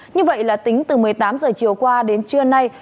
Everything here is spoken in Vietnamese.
như vậy là tính từ một mươi tám h chiều qua đến trưa nay